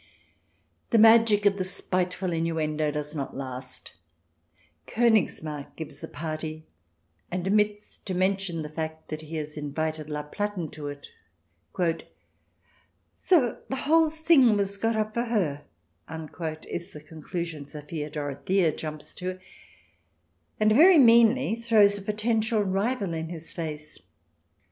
The magic of the spiteful innuendo does not last. KOnigsmarck gives a party, and omits to mention the fact that he has invited La Platen to it. " So the whole thing was got up for her !" is the conclusion Sophia Dorothea jumps to, and, very meanly, throws a potential rival in his face.